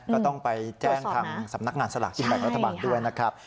ก็ต้องไปแจ้งทางสำนักงานสลากกินแบ่งรัฐบาลด้วยนะครับ